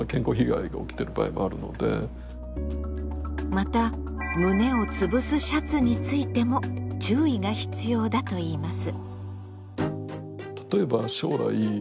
また胸をつぶすシャツについても注意が必要だといいます。